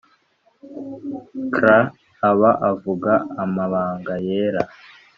kr aba avuga amabanga yera